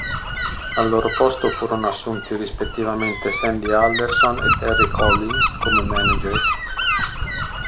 Al loro posto furono assunti rispettivamente Sandy Alderson e Terry Collins come manager.